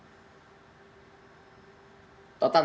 total dana yang kita amankan